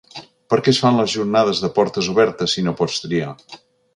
Per què es fan jornades de portes obertes si no pots triar?